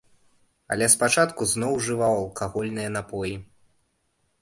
Але спачатку зноў ужываў алкагольныя напоі.